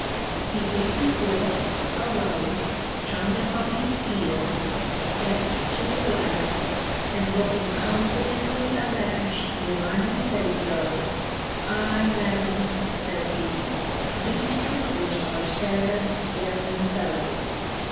He bit his lip; arose; turned upon his heel; stept to the glass; and looking confidently abashed, if I may say so, Ay, Madam, said he, these troopers are sad swearing fellows.